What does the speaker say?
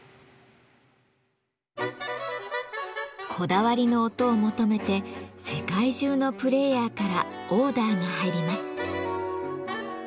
こだわりの音を求めて世界中のプレーヤーからオーダーが入ります。